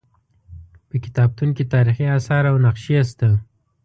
په کتابتون کې تاریخي اثار او نقشې شته.